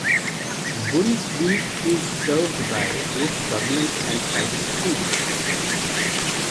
Bull Creek is served by both government and private schools.